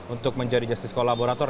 untuk menjadi justice collaborator